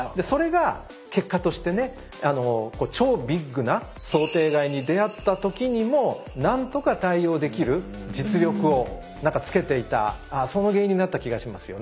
それが結果としてね超ビッグな想定外に出会った時にも何とか対応できる実力をつけていたその原因になった気がしますよね。